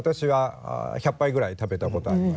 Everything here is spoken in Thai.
ท่านเคยกินร้อยชามเลยนะคะ